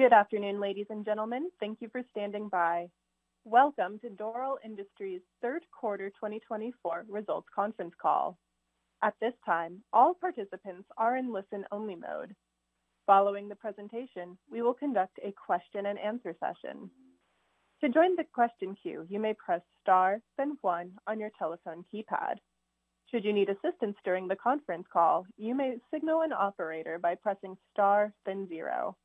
Good afternoon, ladies and gentlemen. Thank you for standing by. Welcome to Dorel Industries' Third Quarter 2024 Results Conference Call. At this time, all participants are in listen-only mode. Following the presentation, we will conduct a question-and-answer session. To join the question queue, you may press star then one on your telephone keypad. Should you need assistance during the conference call, you may signal an operator by pressing star then zero.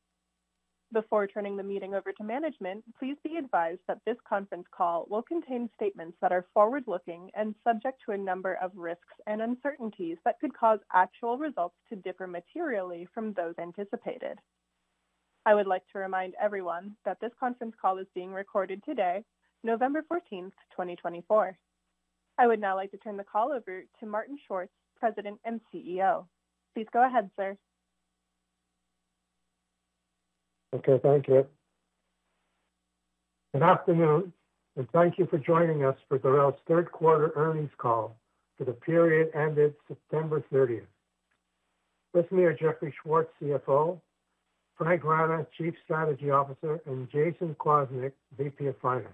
Before turning the meeting over to management, please be advised that this conference call will contain statements that are forward-looking and subject to a number of risks and uncertainties that could cause actual results to differ materially from those anticipated. I would like to remind everyone that this conference call is being recorded today, November 14th, 2024. I would now like to turn the call over to Martin Schwartz, President and CEO. Please go ahead, sir. Okay. Thank you. Good afternoon, and thank you for joining us for Dorel's Third Quarter Earnings Call for the period ended September 30th. With me are Jeffrey Schwartz, CFO, Frank Grana, Chief Strategy Officer, and Jason Kwasnik, VP of Finance.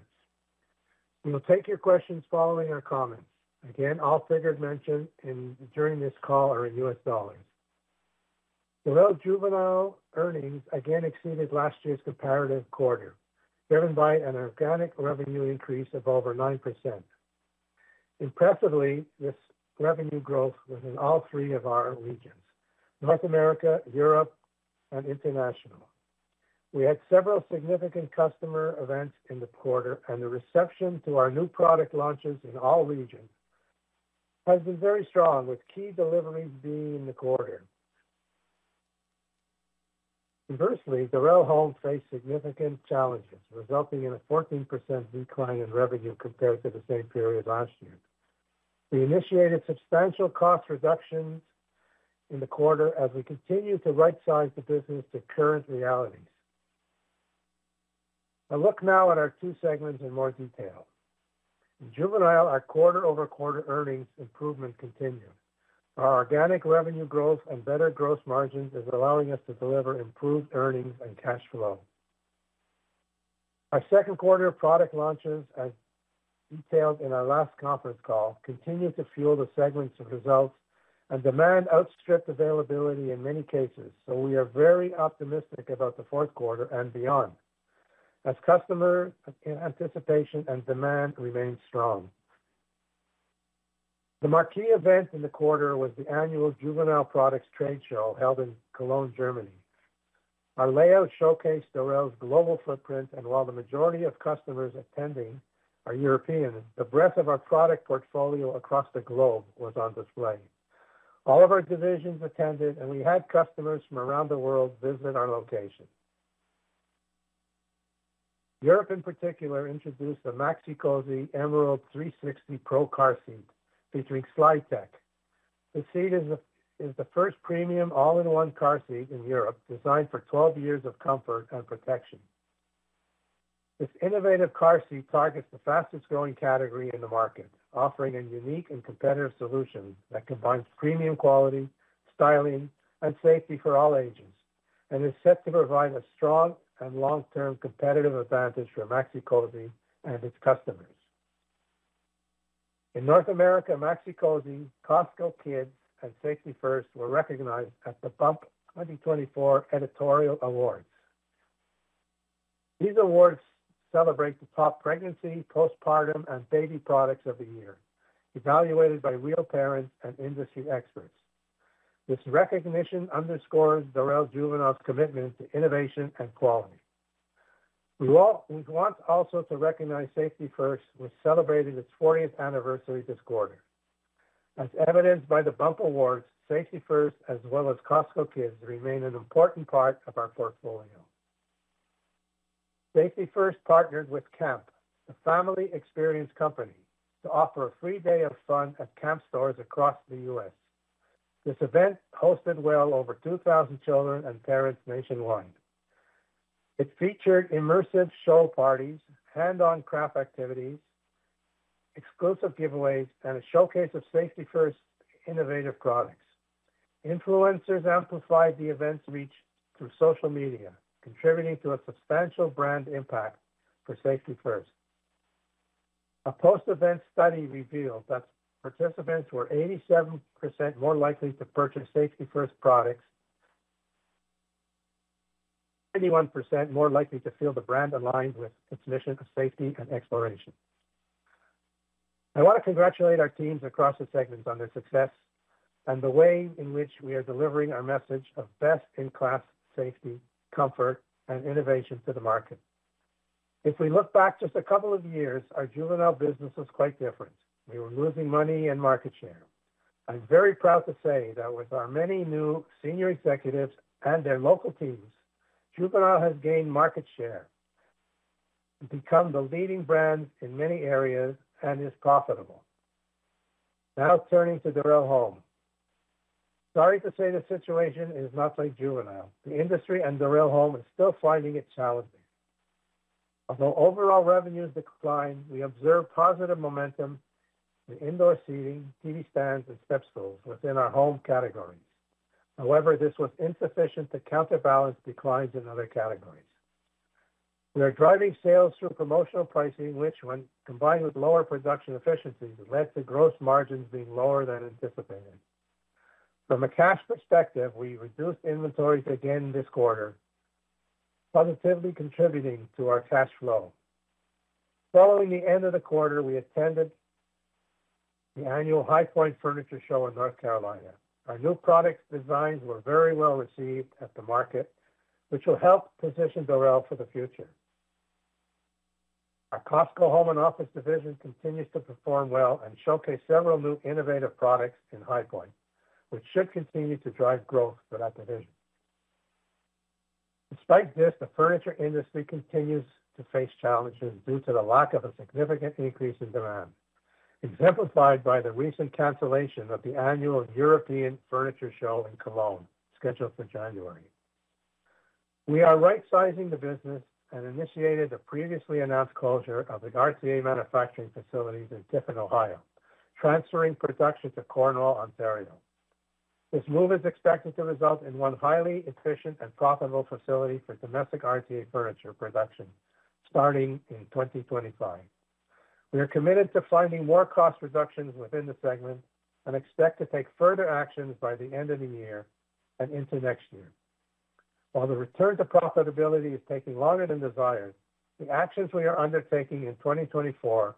We will take your questions following our comments. Again, all figures mentioned during this call are in U.S. dollars. Dorel's Juvenile earnings again exceeded last year's comparative quarter, driven by an organic revenue increase of over 9%. Impressively, this revenue growth was in all three of our regions: North America, Europe, and international. We had several significant customer events in the quarter, and the reception to our new product launches in all regions has been very strong, with key deliveries being in the quarter. Conversely, Dorel Home faced significant challenges, resulting in a 14% decline in revenue compared to the same period last year. We initiated substantial cost reductions in the quarter as we continue to right-size the business to current realities. I'll look now at our two segments in more detail. In Juvenile, our quarter-over-quarter earnings improvement continued. Our organic revenue growth and better gross margins are allowing us to deliver improved earnings and cash flow. Our second quarter product launches, as detailed in our last conference call, continue to fuel the segment's results and demand outstripped availability in many cases, so we are very optimistic about the fourth quarter and beyond, as customer anticipation and demand remain strong. The marquee event in the quarter was the annual Juvenile Products Trade Show held in Cologne, Germany. Our layout showcased Dorel's global footprint, and while the majority of customers attending are European, the breadth of our product portfolio across the globe was on display. All of our divisions attended, and we had customers from around the world visit our location. Europe, in particular, introduced the Maxi-Cosi Emerald 360 Pro car seat featuring SlideTech. The seat is the first premium all-in-one car seat in Europe, designed for 12 years of comfort and protection. This innovative car seat targets the fastest-growing category in the market, offering a unique and competitive solution that combines premium quality, styling, and safety for all ages, and is set to provide a strong and long-term competitive advantage for Maxi-Cosi and its customers. In North America, Maxi-Cosi, Cosco Kids, and Safety 1st were recognized at The Bump 2024 Editorial Awards. These awards celebrate the top pregnancy, postpartum, and baby products of the year, evaluated by real parents and industry experts. This recognition underscores Dorel Juvenile's commitment to innovation and quality. We want also to recognize Safety 1st, which celebrated its 40th anniversary this quarter. As evidenced by the Bump Awards, Safety 1st, as well as Cosco Kids, remain an important part of our portfolio. Safety 1st partnered with Camp, a family experience company, to offer a free day of fun at Camp stores across the U.S. This event hosted well over 2,000 children and parents nationwide. It featured immersive show parties, hands-on craft activities, exclusive giveaways, and a showcase of Safety 1st's innovative products. Influencers amplified the event's reach through social media, contributing to a substantial brand impact for Safety 1st. A post-event study revealed that participants were 87% more likely to purchase Safety 1st products and 81% more likely to feel the brand aligned with its mission of safety and exploration. I want to congratulate our teams across the segments on their success and the way in which we are delivering our message of best-in-class safety, comfort, and innovation to the market. If we look back just a couple of years, our Juvenile business was quite different. We were losing money and market share. I'm very proud to say that with our many new senior executives and their local teams, Juvenile has gained market share, become the leading brand in many areas, and is profitable. Now turning to Dorel Home. Sorry to say the situation is not like Juvenile. The industry and Dorel Home are still finding it challenging. Although overall revenues declined, we observed positive momentum in indoor seating, TV stands, and step stools within our home categories. However, this was insufficient to counterbalance declines in other categories. We are driving sales through promotional pricing, which, when combined with lower production efficiencies, led to gross margins being lower than anticipated. From a cash perspective, we reduced inventories again this quarter, positively contributing to our cash flow. Following the end of the quarter, we attended the annual High Point Furniture Show in North Carolina. Our new product designs were very well received at the market, which will help position Dorel for the future. Our Cosco Home and Office division continues to perform well and showcase several new innovative products in High Point, which should continue to drive growth for that division. Despite this, the furniture industry continues to face challenges due to the lack of a significant increase in demand, exemplified by the recent cancellation of the annual European Furniture Show in Cologne, scheduled for January. We are right-sizing the business and initiated the previously announced closure of the RTA manufacturing facilities in Tiffin, Ohio, transferring production to Cornwall, Ontario. This move is expected to result in one highly efficient and profitable facility for domestic RTA furniture production starting in 2025. We are committed to finding more cost reductions within the segment and expect to take further actions by the end of the year and into next year. While the return to profitability is taking longer than desired, the actions we are undertaking in 2024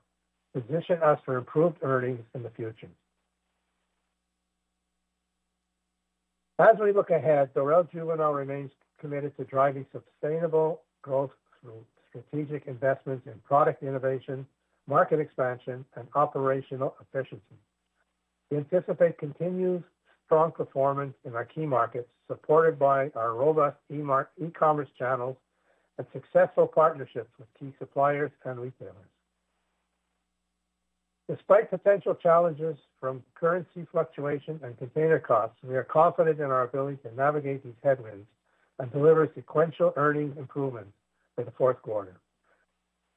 position us for improved earnings in the future. As we look ahead, Dorel Juvenile remains committed to driving sustainable growth through strategic investments in product innovation, market expansion, and operational efficiency. We anticipate continued strong performance in our key markets, supported by our robust e-commerce channels and successful partnerships with key suppliers and retailers. Despite potential challenges from currency fluctuation and container costs, we are confident in our ability to navigate these headwinds and deliver sequential earnings improvements for the fourth quarter.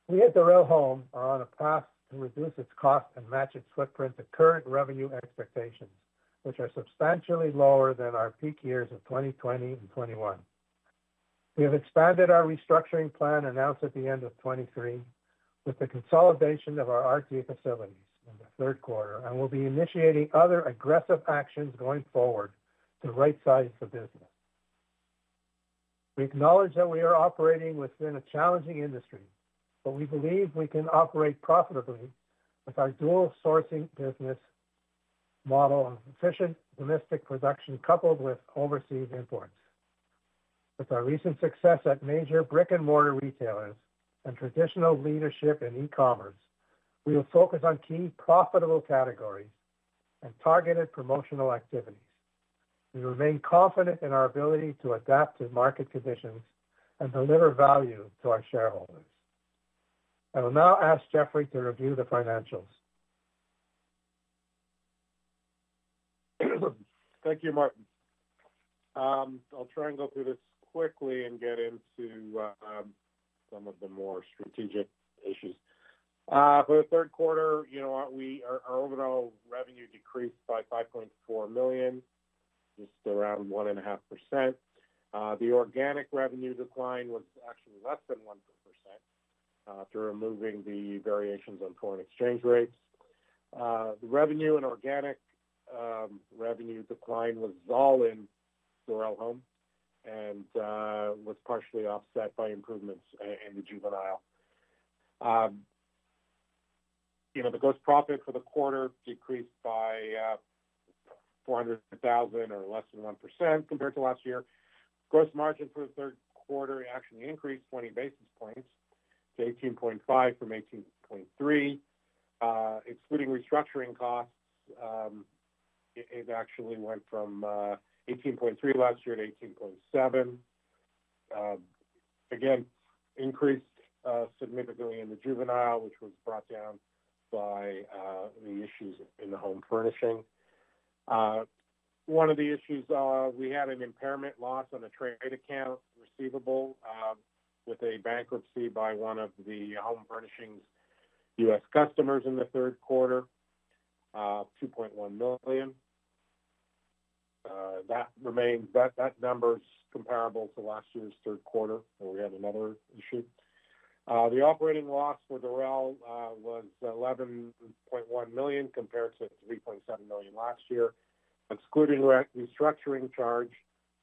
We at Dorel Home are on a path to reduce its cost and match its footprint to current revenue expectations, which are substantially lower than our peak years of 2020 and 2021. We have expanded our restructuring plan announced at the end of 2023 with the consolidation of our RTA facilities in the third quarter, and we'll be initiating other aggressive actions going forward to right-size the business. We acknowledge that we are operating within a challenging industry, but we believe we can operate profitably with our dual-sourcing business model of efficient domestic production coupled with overseas imports. With our recent success at major brick-and-mortar retailers and traditional leadership in e-commerce, we will focus on key profitable categories and targeted promotional activities. We remain confident in our ability to adapt to market conditions and deliver value to our shareholders. I will now ask Jeffrey to review the financials. Thank you, Martin. I'll try and go through this quickly and get into some of the more strategic issues. For the third quarter, our overall revenue decreased by $5.4 million, just around 1.5%. The organic revenue decline was actually less than 1% through removing the variations on foreign exchange rates. The revenue and organic revenue decline was all in Dorel Home and was partially offset by improvements in the Juvenile. The gross profit for the quarter decreased by $400,000 or less than 1% compared to last year. Gross margin for the third quarter actually increased 20 basis points to 18.5% from 18.3%. Excluding restructuring costs, it actually went from 18.3% last year to 18.7%. Again, increased significantly in the Juvenile, which was brought down by the issues in the home furnishing. One of the issues, we had an impairment loss on a trade account receivable with a bankruptcy by one of the home furnishings' U.S. customers in the third quarter, $2.1 million. That number is comparable to last year's third quarter, where we had another issue. The operating loss for Dorel was $11.1 million compared to $3.7 million last year. Excluding restructuring charge,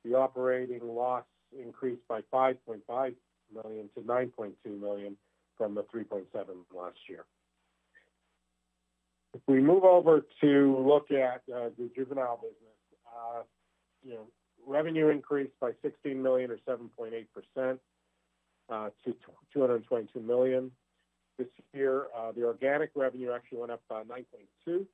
the operating loss increased by $5.5 million to $9.2 million from the $3.7 million last year. If we move over to look at the Juvenile business, revenue increased by $16 million or 7.8% to $222 million this year. The organic revenue actually went up by 9.2%.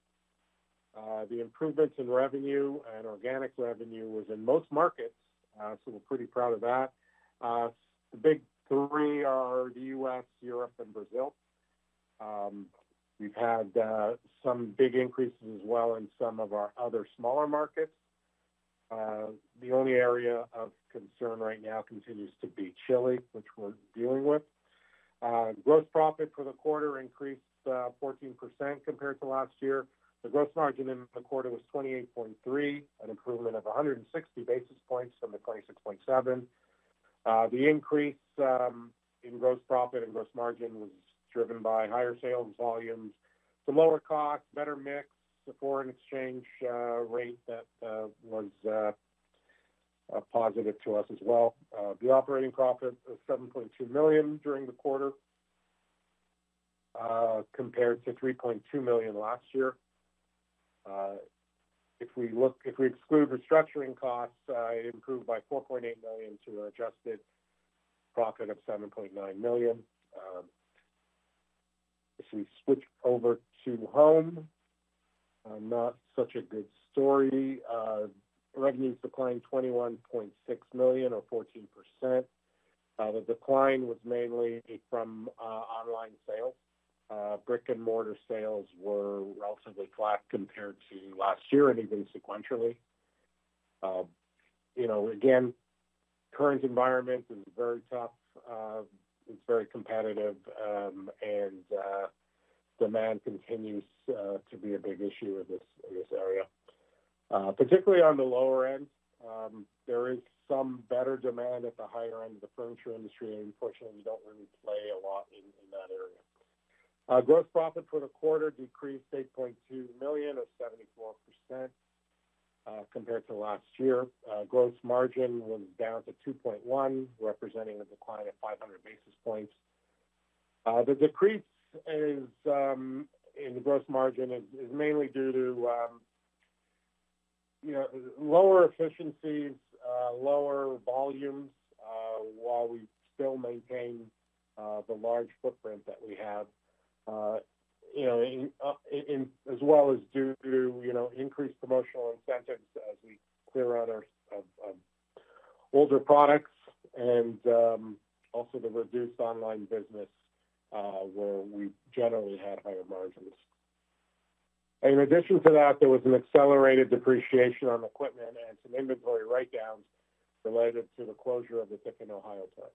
The improvements in revenue and organic revenue was in most markets, so we're pretty proud of that. The big three are the U.S., Europe, and Brazil. We've had some big increases as well in some of our other smaller markets. The only area of concern right now continues to be Chile, which we're dealing with. Gross profit for the quarter increased 14% compared to last year. The gross margin in the quarter was 28.3%, an improvement of 160 basis points from the 26.7%. The increase in gross profit and gross margin was driven by higher sales volumes, the lower cost, better mix, the foreign exchange rate that was positive to us as well. The operating profit was $7.2 million during the quarter compared to $3.2 million last year. If we exclude restructuring costs, it improved by $4.8 million to an adjusted profit of $7.9 million. If we switch over to home, not such a good story. Revenues declined $21.6 million or 14%. The decline was mainly from online sales. Brick-and-mortar sales were relatively flat compared to last year and even sequentially. Again, the current environment is very tough. It's very competitive, and demand continues to be a big issue in this area. Particularly on the lower end, there is some better demand at the higher end of the furniture industry, and unfortunately, we don't really play a lot in that area. Gross profit for the quarter decreased $8.2 million or 74% compared to last year. Gross margin was down to 2.1, representing a decline of 500 basis points. The decrease in the gross margin is mainly due to lower efficiencies, lower volumes, while we still maintain the large footprint that we have, as well as due to increased promotional incentives as we clear out our older products and also the reduced online business where we generally had higher margins. In addition to that, there was an accelerated depreciation on equipment and some inventory write-downs related to the closure of the Tiffin, Ohio plant.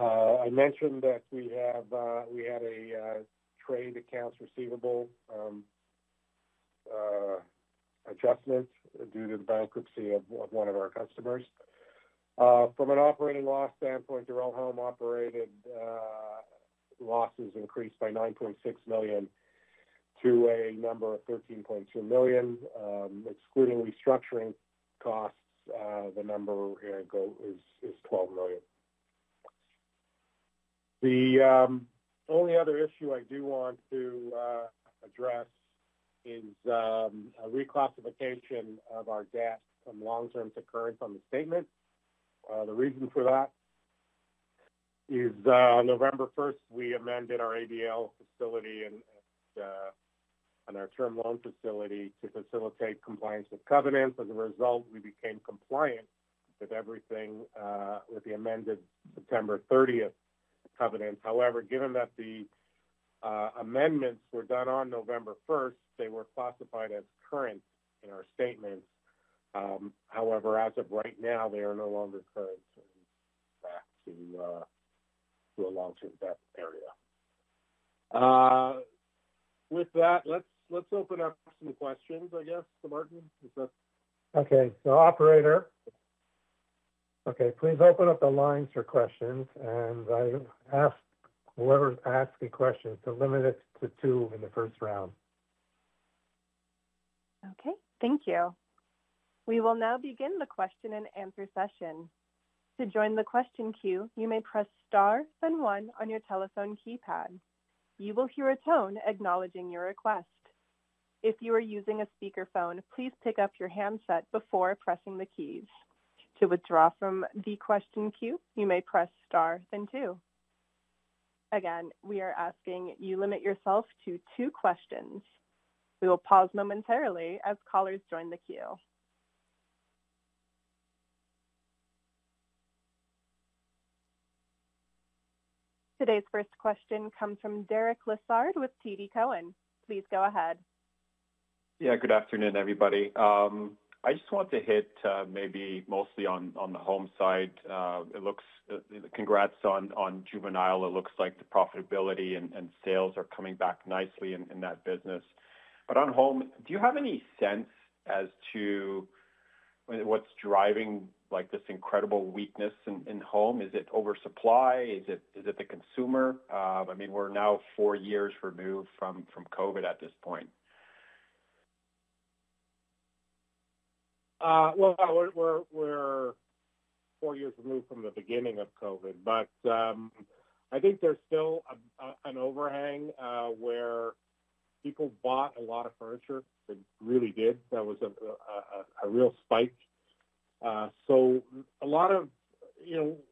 I mentioned that we had a trade accounts receivable adjustment due to the bankruptcy of one of our customers. From an operating loss standpoint, Dorel Home operating losses increased by $9.6 million to $13.2 million. Excluding restructuring costs, the number is $12 million. The only other issue I do want to address is a reclassification of our debt from long-term to current on the statement. The reason for that is, on November 1st, we amended our ABL facility and our term loan facility to facilitate compliance with covenants. As a result, we became compliant with everything with the amended September 30th covenants. However, given that the amendments were done on November 1st, they were classified as current in our statements. However, as of right now, they are no longer current and back to a long-term debt area. With that, let's open up some questions, I guess, Martin. Okay. So, operator, okay, please open up the lines for questions, and whoever's asking questions, to limit it to two in the first round. Okay. Thank you. We will now begin the Q&A session. To join the question queue, you may press star then one on your telephone keypad. You will hear a tone acknowledging your request. If you are using a speakerphone, please pick up your handset before pressing the keys. To withdraw from the question queue, you may press star then two. Again, we are asking you limit yourself to two questions. We will pause momentarily as callers join the queue. Today's first question comes from Derek Lessard with TD Cowen. Please go ahead. Yeah. Good afternoon, everybody. I just want to hit maybe mostly on the home side. Congrats on Juvenile. It looks like the profitability and sales are coming back nicely in that business. But on home, do you have any sense as to what's driving this incredible weakness in home? Is it oversupply? Is it the consumer? I mean, we're now four years removed from COVID at this point. We're four years removed from the beginning of COVID, but I think there's still an overhang where people bought a lot of furniture. They really did. That was a real spike. So a lot of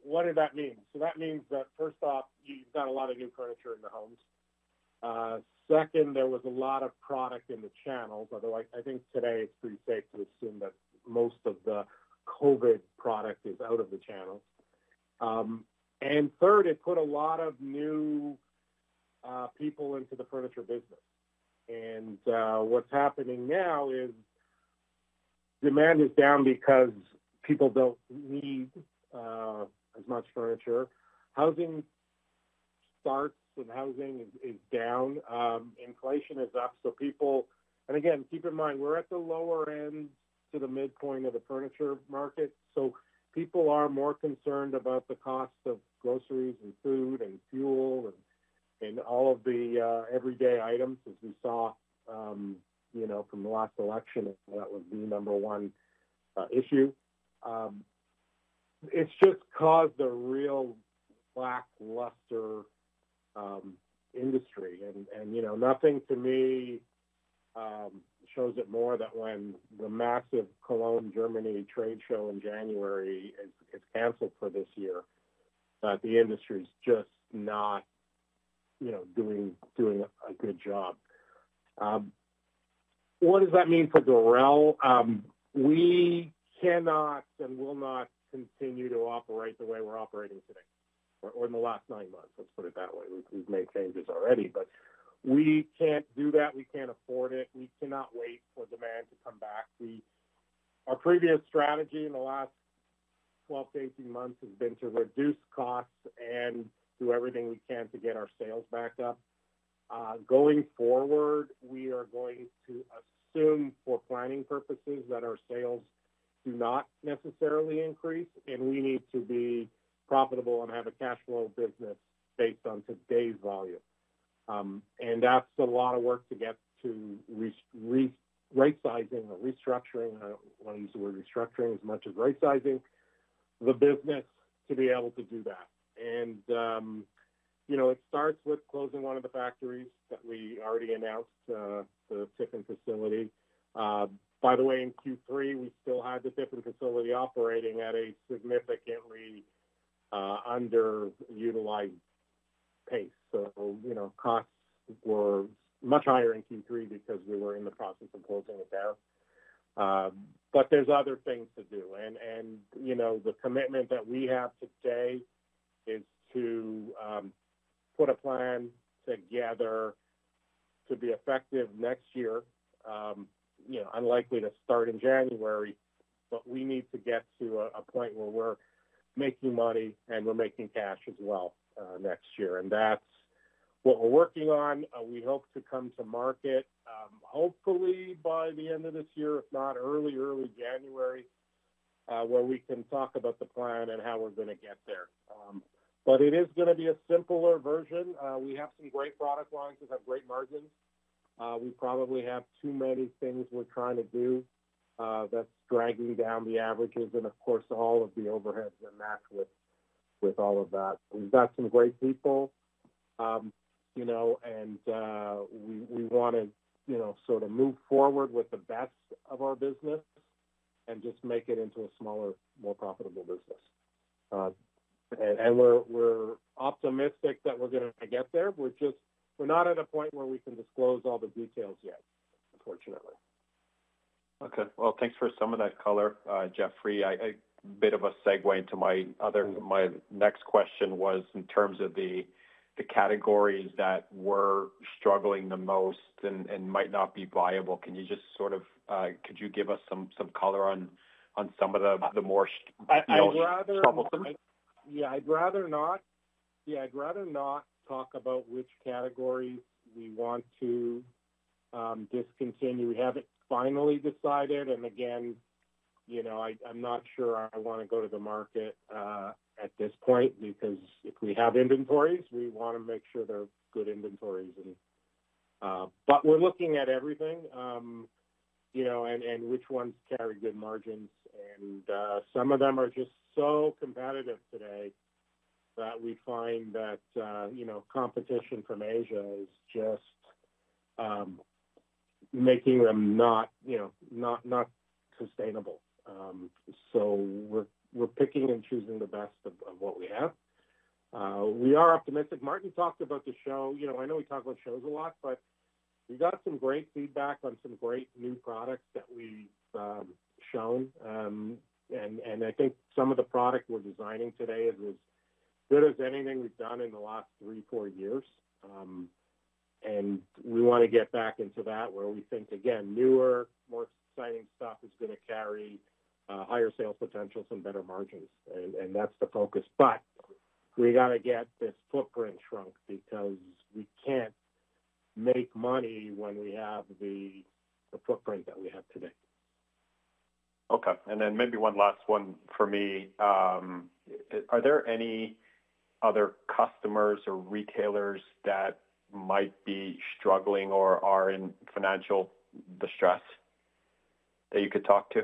what did that mean? So that means that, first off, you've got a lot of new furniture in the homes. Second, there was a lot of product in the channels, although I think today it's pretty safe to assume that most of the COVID product is out of the channels. And third, it put a lot of new people into the furniture business. And what's happening now is demand is down because people don't need as much furniture. Housing starts and housing is down. Inflation is up. And again, keep in mind, we're at the lower end to the midpoint of the furniture market. People are more concerned about the cost of groceries and food and fuel and all of the everyday items, as we saw from the last election that was the number one issue. It's just caused a real lackluster industry. Nothing to me shows it more than when the massive Cologne, Germany trade show in January is canceled for this year, that the industry is just not doing a good job. What does that mean for Dorel? We cannot and will not continue to operate the way we're operating today or in the last nine months. Let's put it that way. We've made changes already, but we can't do that. We can't afford it. We cannot wait for demand to come back. Our previous strategy in the last 12-18 months has been to reduce costs and do everything we can to get our sales back up. Going forward, we are going to assume for planning purposes that our sales do not necessarily increase, and we need to be profitable and have a cash flow business based on today's volume. And that's a lot of work to get to right-sizing or restructuring. I don't want to use the word restructuring as much as right-sizing the business to be able to do that. And it starts with closing one of the factories that we already announced, the Tiffin facility. By the way, in Q3, we still had the Tiffin facility operating at a significantly underutilized pace. So costs were much higher in Q3 because we were in the process of closing it down. But there's other things to do. And the commitment that we have today is to put a plan together to be effective next year. Unlikely to start in January, but we need to get to a point where we're making money and we're making cash as well next year. And that's what we're working on. We hope to come to market, hopefully, by the end of this year, if not early, early January, where we can talk about the plan and how we're going to get there. But it is going to be a simpler version. We have some great product lines that have great margins. We probably have too many things we're trying to do that's dragging down the averages and, of course, all of the overheads are matched with all of that. We've got some great people, and we want to sort of move forward with the best of our business and just make it into a smaller, more profitable business. And we're optimistic that we're going to get there. We're not at a point where we can disclose all the details yet, unfortunately. Okay. Well, thanks for some of that, Jeffrey. A bit of a segue into my next question was in terms of the categories that were struggling the most and might not be viable. Can you just sort of give us some color on some of the more troublesome? Yeah. I'd rather not. Yeah. I'd rather not talk about which categories we want to discontinue. We haven't finally decided. And again, I'm not sure I want to go to the market at this point because if we have inventories, we want to make sure they're good inventories. But we're looking at everything and which ones carry good margins. And some of them are just so competitive today that we find that competition from Asia is just making them not sustainable. So we're picking and choosing the best of what we have. We are optimistic. Martin talked about the show. I know we talk about shows a lot, but we got some great feedback on some great new products that we've shown. And I think some of the product we're designing today is as good as anything we've done in the last three, four years. We want to get back into that where we think, again, newer, more exciting stuff is going to carry higher sales potentials and better margins. That's the focus. We got to get this footprint shrunk because we can't make money when we have the footprint that we have today. Okay. And then maybe one last one for me. Are there any other customers or retailers that might be struggling or are in financial distress that you could talk to?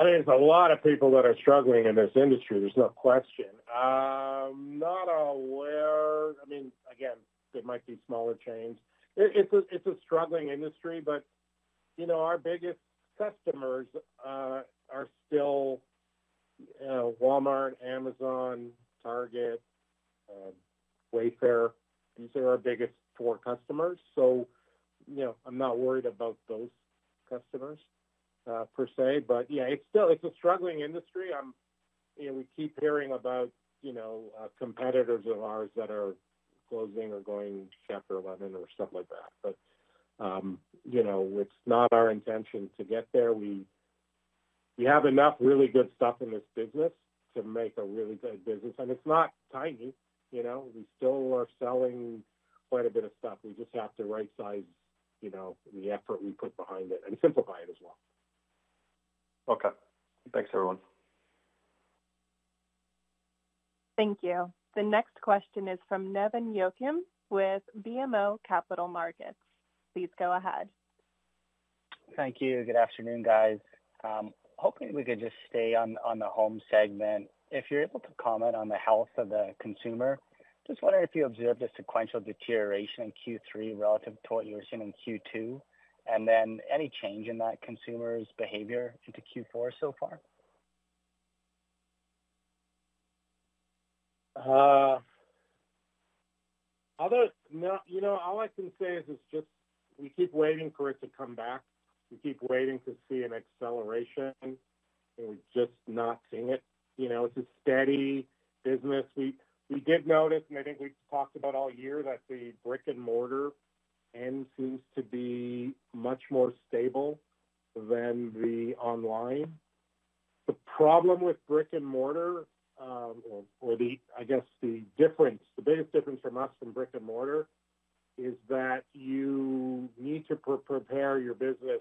I mean, there's a lot of people that are struggling in this industry. There's no question. I mean, again, there might be smaller chains. It's a struggling industry, but our biggest customers are still Walmart, Amazon, Target, Wayfair. These are our biggest four customers. So I'm not worried about those customers per se. But yeah, it's a struggling industry. We keep hearing about competitors of ours that are closing or going Chapter 11 or stuff like that. But it's not our intention to get there. We have enough really good stuff in this business to make a really good business. And it's not tiny. We still are selling quite a bit of stuff. We just have to right-size the effort we put behind it and simplify it as well. Okay. Thanks, everyone. Thank you. The next question is from Nevan Yochim with BMO Capital Markets. Please go ahead. Thank you. Good afternoon, guys. Hoping we could just stay on the home segment. If you're able to comment on the health of the consumer, just wondering if you observed a sequential deterioration in Q3 relative to what you were seeing in Q2, and then any change in that consumer's behavior into Q4 so far? All I can say is it's just we keep waiting for it to come back. We keep waiting to see an acceleration, and we're just not seeing it. It's a steady business. We did notice, and I think we've talked about all year, that the brick-and-mortar end seems to be much more stable than the online. The problem with brick-and-mortar, or I guess the biggest difference from us from brick-and-mortar, is that you need to prepare your business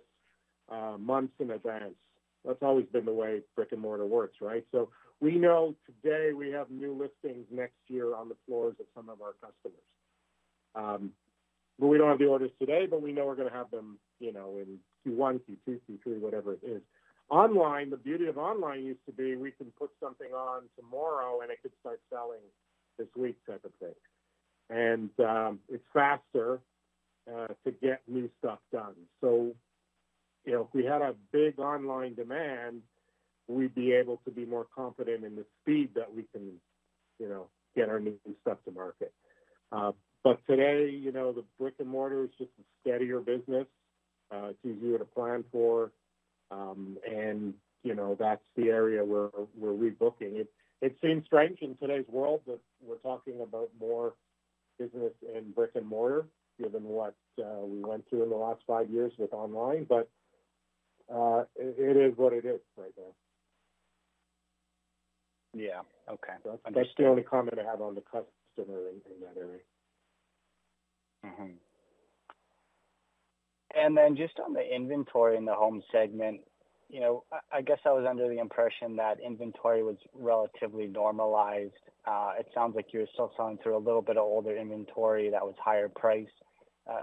months in advance. That's always been the way brick-and-mortar works, right? So we know today we have new listings next year on the floors of some of our customers. But we don't have the orders today, but we know we're going to have them in Q1, Q2, Q3, whatever it is. Online, the beauty of online used to be we can put something on tomorrow, and it could start selling this week type of thing, and it's faster to get new stuff done, so if we had a big online demand, we'd be able to be more confident in the speed that we can get our new stuff to market, but today, the brick-and-mortar is just a steadier business. It's easier to plan for, and that's the area where we're rebooking. It seems strange in today's world that we're talking about more business in brick-and-mortar given what we went through in the last five years with online, but it is what it is right now. Yeah. Okay. That's the only comment I have on the customer in that area. And then just on the inventory in the home segment, I guess I was under the impression that inventory was relatively normalized. It sounds like you're still selling through a little bit of older inventory that was higher priced.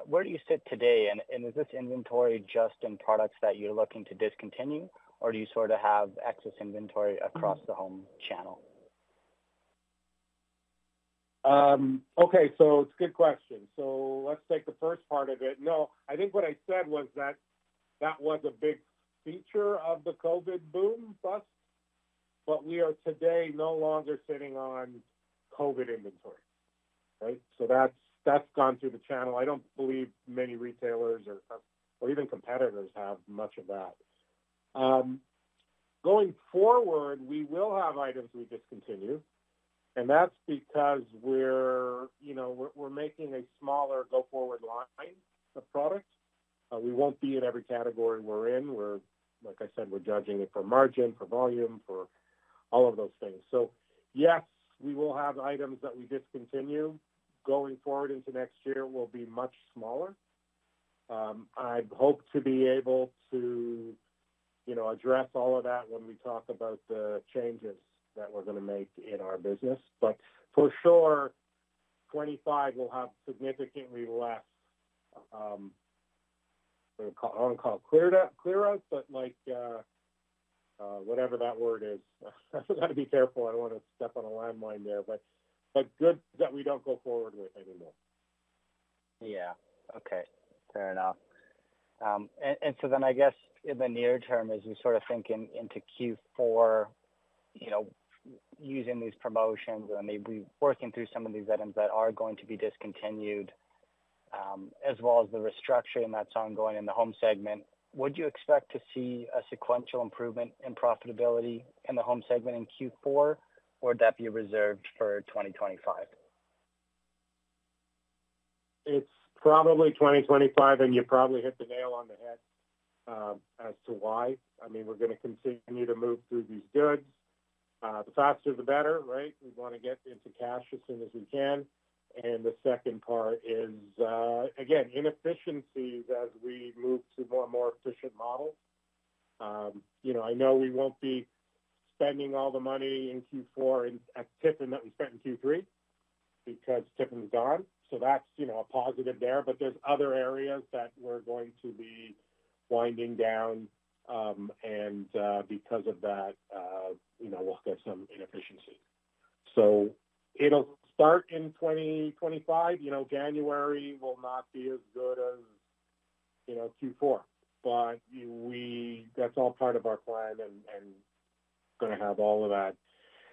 Where do you sit today? And is this inventory just in products that you're looking to discontinue, or do you sort of have excess inventory across the home channel? Okay. So it's a good question. So let's take the first part of it. No, I think what I said was that that was a big feature of the COVID boom bust, but we are today no longer sitting on COVID inventory, right? So that's gone through the channel. I don't believe many retailers or even competitors have much of that. Going forward, we will have items we discontinue, and that's because we're making a smaller go-forward line of product. We won't be in every category we're in. Like I said, we're judging it for margin, for volume, for all of those things. So yes, we will have items that we discontinue. Going forward into next year, we'll be much smaller. I hope to be able to address all of that when we talk about the changes that we're going to make in our business. But for sure, 2025, we'll have significantly less. I don't want to call it clear out, but whatever that word is. I've got to be careful. I don't want to step on a landmine there, but good that we don't go forward with anymore. Yeah. Okay. Fair enough, and so then I guess in the near term, as we sort of think into Q4, using these promotions and maybe working through some of these items that are going to be discontinued, as well as the restructuring that's ongoing in the home segment, would you expect to see a sequential improvement in profitability in the home segment in Q4, or would that be reserved for 2025? It's probably 2025, and you probably hit the nail on the head as to why. I mean, we're going to continue to move through these goods. The faster, the better, right? We want to get into cash as soon as we can. And the second part is, again, inefficiencies as we move to more and more efficient models. I know we won't be spending all the money in Q4 at Tiffin that we spent in Q3 because Tiffin's gone. So that's a positive there. But there's other areas that we're going to be winding down, and because of that, we'll get some inefficiencies. So it'll start in 2025. January will not be as good as Q4, but that's all part of our plan, and we're going to have all of that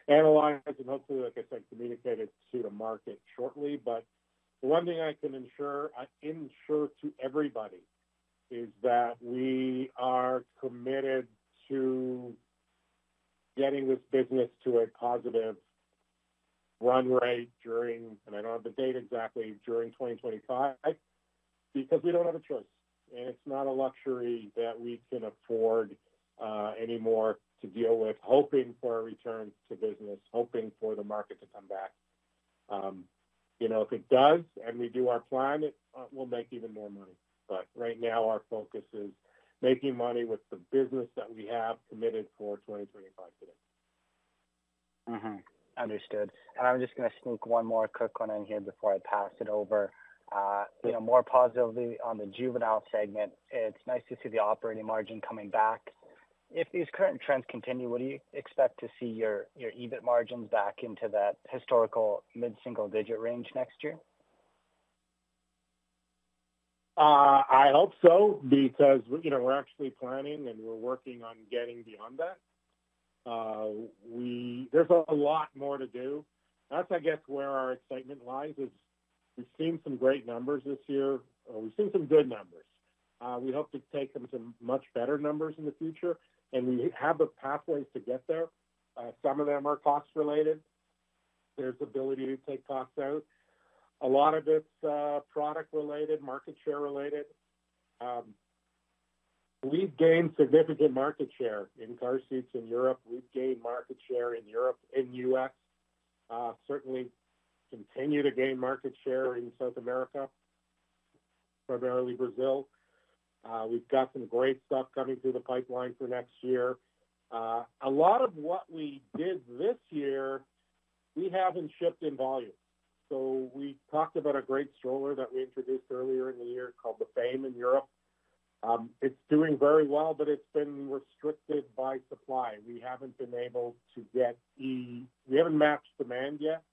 analyzed and hopefully, like I said, communicated to the market shortly. But the one thing I can ensure to everybody is that we are committed to getting this business to a positive run rate during, and I don't have the date exactly, during 2025 because we don't have a choice, and it's not a luxury that we can afford anymore to deal with, hoping for a return to business, hoping for the market to come back. If it does and we do our plan, we'll make even more money, but right now, our focus is making money with the business that we have committed for 2025 today. Understood. And I'm just going to sneak one more quick one in here before I pass it over. More positively on the Juvenile segment, it's nice to see the operating margin coming back. If these current trends continue, would you expect to see your EBIT margins back into that historical mid-single-digit range next year? I hope so because we're actually planning, and we're working on getting beyond that. There's a lot more to do. That's, I guess, where our excitement lies is we've seen some great numbers this year. We've seen some good numbers. We hope to take them to much better numbers in the future, and we have the pathways to get there. Some of them are cost-related. There's ability to take costs out. A lot of it's product-related, market share-related. We've gained significant market share in car seats in Europe. We've gained market share in Europe and the U.S. Certainly continue to gain market share in South America, primarily Brazil. We've got some great stuff coming through the pipeline for next year. A lot of what we did this year, we haven't shipped in volume. So we talked about a great stroller that we introduced earlier in the year called the Fame in Europe. It's doing very well, but it's been restricted by supply. We haven't been able to match demand yet.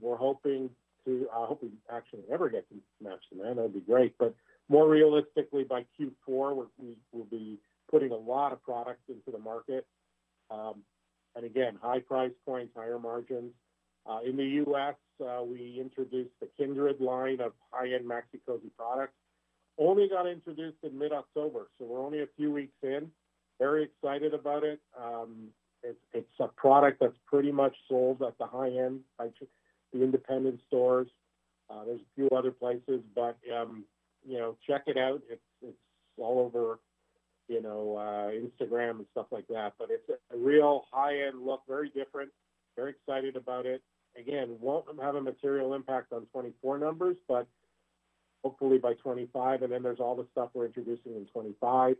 We're hoping to. I hope we actually never get to match demand. That would be great. But more realistically, by Q4, we'll be putting a lot of products into the market. And again, high price points, higher margins. In the U.S., we introduced the Kindred line of high-end Maxi-Cosi products. Only got introduced in mid-October, so we're only a few weeks in. Very excited about it. It's a product that's pretty much sold at the high end by the independent stores. There's a few other places, but check it out. It's all over Instagram and stuff like that. But it's a real high-end look, very different, very excited about it. Again, won't have a material impact on 2024 numbers, but hopefully by 2025. And then there's all the stuff we're introducing in 2025.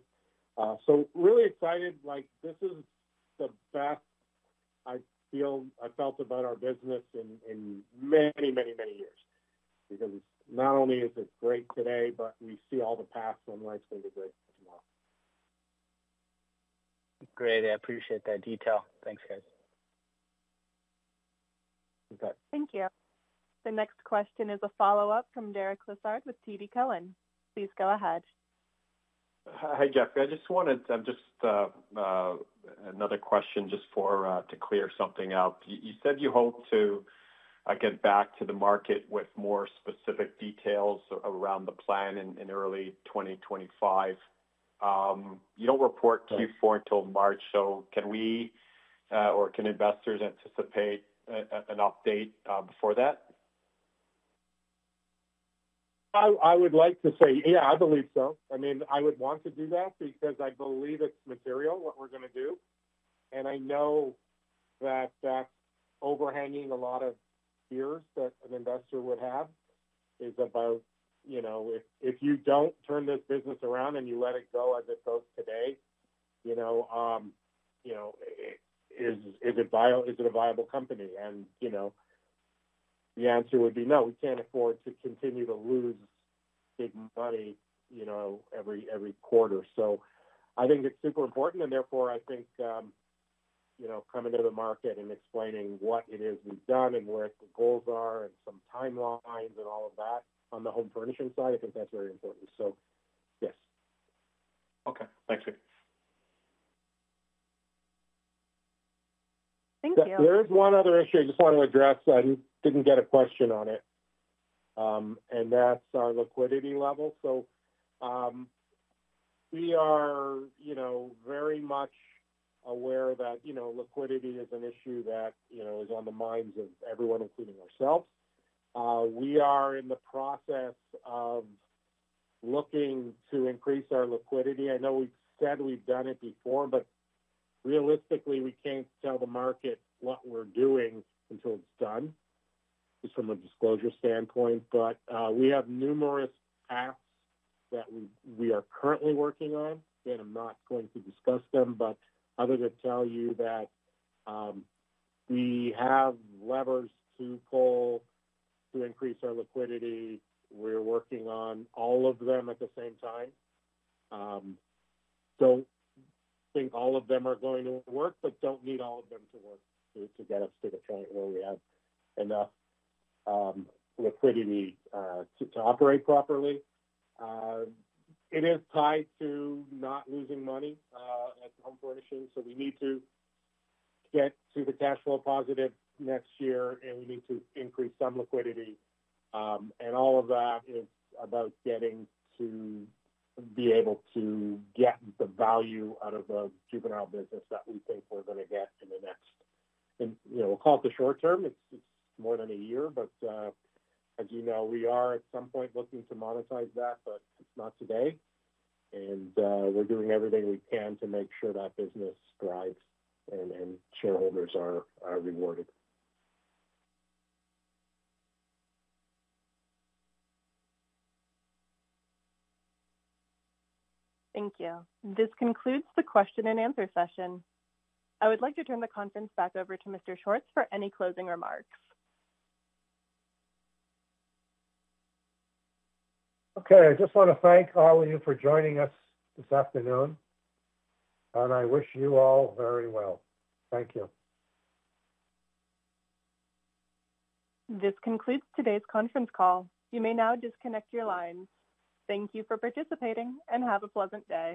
So really excited. This is the best I felt about our business in many, many, many years because not only is it great today, but we see all the paths on the right thing to break tomorrow. Great. I appreciate that detail. Thanks, guys. Thank you. The next question is a follow-up from Derek Lessard with TD Cowen. Please go ahead. Hi, Jeffrey. I just have another question just to clear something out. You said you hope to get back to the market with more specific details around the plan in early 2025. You don't report Q4 until March, so can we or can investors anticipate an update before that? I would like to say, yeah, I believe so. I mean, I would want to do that because I believe it's material what we're going to do. And I know that that's overhanging a lot of fears that an investor would have is about if you don't turn this business around and you let it go as it goes today, is it a viable company? And the answer would be no. We can't afford to continue to lose big money every quarter. So I think it's super important. And therefore, I think coming to the market and explaining what it is we've done and where the goals are and some timelines and all of that on the home furnishing side, I think that's very important. So yes. Okay. Thanks, Jeffrey. Thank you. There is one other issue I just want to address. I didn't get a question on it. And that's our liquidity level. So we are very much aware that liquidity is an issue that is on the minds of everyone, including ourselves. We are in the process of looking to increase our liquidity. I know we've said we've done it before, but realistically, we can't tell the market what we're doing until it's done just from a disclosure standpoint. But we have numerous paths that we are currently working on. Again, I'm not going to discuss them, but I would tell you that we have levers to pull to increase our liquidity. We're working on all of them at the same time. Don't think all of them are going to work, but don't need all of them to work to get us to the point where we have enough liquidity to operate properly. It is tied to not losing money at home furnishings. So we need to get to the cash flow positive next year, and we need to increase some liquidity. And all of that is about getting to be able to get the value out of a Juvenile business that we think we're going to get in the next, we'll call it the short term. It's more than a year. But as you know, we are at some point looking to monetize that, but it's not today. And we're doing everything we can to make sure that business thrives and shareholders are rewarded. Thank you. This concludes the question and answer session. I would like to turn the conference back over to Mr. Schwartz for any closing remarks. Okay. I just want to thank all of you for joining us this afternoon, and I wish you all very well. Thank you. This concludes today's conference call. You may now disconnect your lines. Thank you for participating and have a pleasant day.